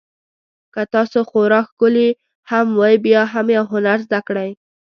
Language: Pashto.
که تاسو خورا ښکلي هم وئ بیا هم یو هنر زده کړئ.